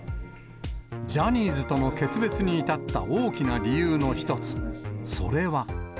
ジャニーズとの決別に至った大きな理由の一つ、それは。